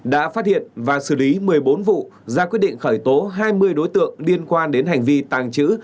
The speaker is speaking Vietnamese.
đã phát hiện và xử lý một mươi bốn vụ ra quyết định khởi tố hai mươi đối tượng liên quan đến hành vi tàng trữ